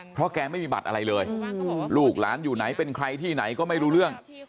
เพราะแกไม่มีบัตรอะไรเลยลูกหลานอยู่ไหนเป็นใครที่ไหนก็ไม่รู้เรื่อง